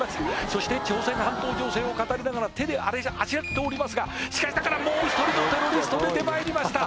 そして朝鮮半島情勢を語りながら手であしらっておりますがしかしながらもう一人のテロリスト出てまいりました